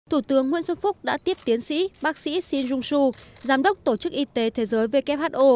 thủ tướng nguyễn xuân phúc đã tiếp tiến sĩ bác sĩ shinjung su giám đốc tổ chức y tế thế giới who